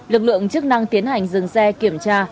lực lượng chức năng tiến hành dừng xe kiểm tra